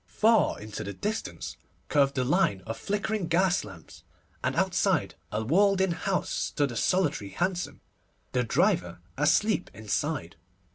Far into the distance curved the line of flickering gas lamps, and outside a little walled in house stood a solitary hansom, the driver asleep inside.